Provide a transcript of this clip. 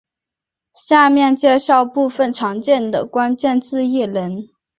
下面介绍部分常见的关键字异能。